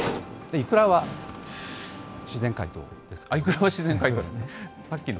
イクラは自然解凍ですね。